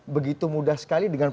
begitu mudah sekali dengan